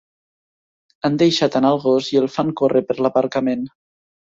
Han deixat anar el gos i el fan córrer per l'aparcament.